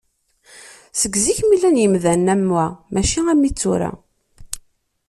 Seg zik mi llan yimdanen am wa mačči armi d tura.